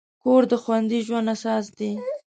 کور د خوندي ژوند اساس دی.